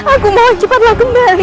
aku mohon cepatlah kembali